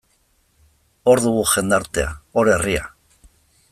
Hor dugu jendartea, hor herria.